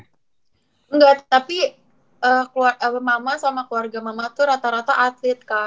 enggak tapi mama sama keluarga mama tuh rata rata atlet kak